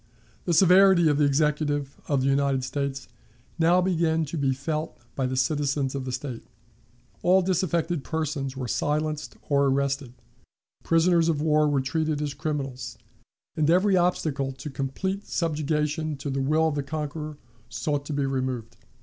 The severity of the Executive of the United States now began to be felt by the citizens of the State. All disaffected persons were silenced or arrested, prisoners of war were treated as criminals, and every obstacle to complete subjugation to the will of the conqueror sought to be removed.